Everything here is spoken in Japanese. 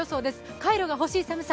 カイロが欲しい寒さ